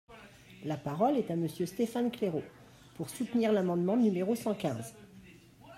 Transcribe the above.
La parole est à Monsieur Stéphane Claireaux, pour soutenir l’amendement numéro cent quinze.